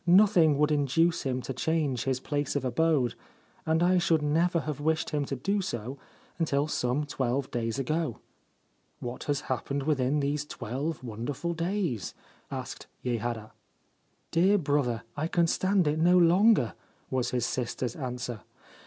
Nothing would induce him to change his place of abode, and I should never have wished him to do so until some twelve days ago/ 4 What has happened within these twelve wonderful days ?' asked Yehara. 4 Dear brother, I can stand it no longer/ was his sister's answer.